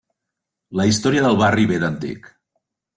La història del barri ve d'antic.